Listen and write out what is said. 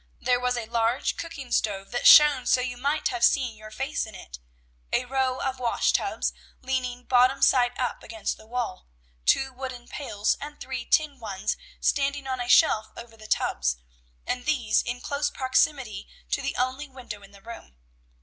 There was a large cooking stove that shone so you might have seen your face in it, a row of wash tubs, leaning bottom side up against the wall, two wooden pails and three tin ones, standing on a shelf over the tubs, and these in close proximity to the only window in the room.